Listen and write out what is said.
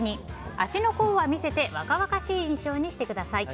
足の甲は見せて若々しい印象にしてください。